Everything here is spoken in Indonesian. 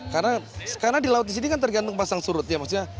karena di laut disini kan tergantung pasang surut ya maksudnya